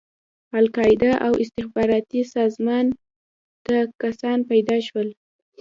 القاعده او استخباراتي سازمان ته کسان پيدا شول.